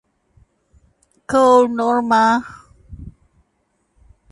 She also organized workshops at universities.